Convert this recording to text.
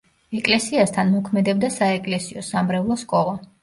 ეკლესიასთან მოქმედებდა საეკლესიო-სამრევლო სკოლა.